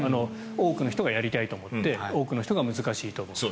多くの人がやりたいと思って多くの人が難しいと思って。